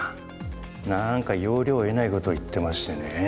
何か要領得ないことを言ってましてね。